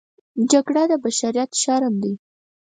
جګړه د بشریت شرم دی